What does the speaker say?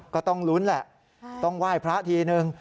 ก็ต้องลุ้นแหละต้องไหว้พระทีนึง